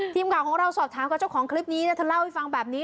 ทีมข่าวของเราสอบถามกับเจ้าของคลิปนี้แล้วเธอเล่าให้ฟังแบบนี้